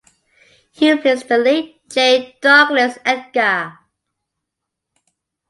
He replaced the late J. Douglas Edgar.